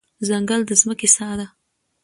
ځنګل د ځمکې ساه ده.